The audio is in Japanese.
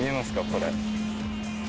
これ。